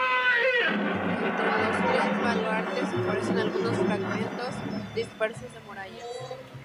Entre los tres baluartes aparecen algunos fragmentos dispersos de murallas.